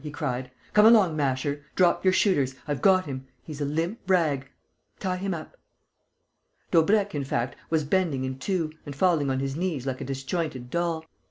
he cried. "Come along, Masher! Drop your shooters: I've got him! He's a limp rag.... Tie him up." Daubrecq, in fact, was bending in two and falling on his knees like a disjointed doll.